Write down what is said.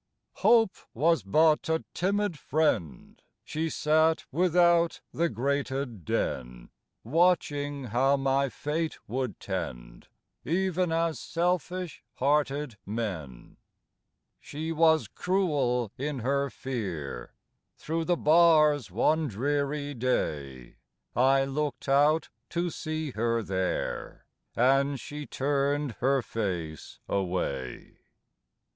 Hope Was but a timid friend; She sat without the grated den, Watching how my fate would tend, Even as selfish hearted men. She was cruel in her fear; Through the bars one dreary day, I looked out to see her there, And she turned her face away!